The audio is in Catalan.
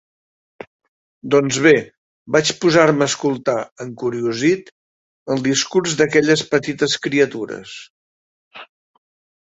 Doncs bé, vaig posar-me a escoltar, encuriosit, el discurs d'aquelles petites criatures.